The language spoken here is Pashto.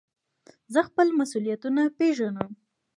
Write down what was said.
زه خپل مسئولیتونه پېژنم.